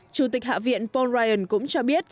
chủ tịch hạ viện paul ryan cũng cho biết